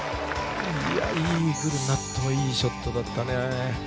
いや、イーグルになってもいいショットだったね。